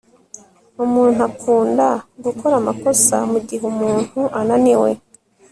Umuntu akunda gukora amakosa mugihe umuntu ananiwe